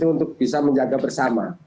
untuk bisa menjaga bersama